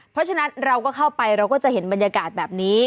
เพราะฉะนั้นเราก็เข้าไปเราก็จะเห็นบรรยากาศแบบนี้